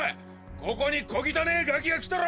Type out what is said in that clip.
ここに小汚ぇガキが来たろ！